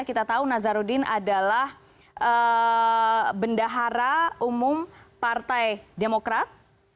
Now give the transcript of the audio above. kita tahu nazarudin adalah bendahara umum partai demokrat